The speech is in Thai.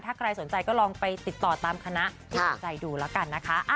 ถ้าใครสนใจก็ลองไปติดต่อตามคณะที่สนใจดูแล้วกันนะคะ